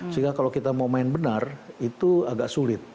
sehingga kalau kita mau main benar itu agak sulit